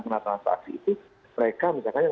terlaksana satu api itu mereka misalkan yang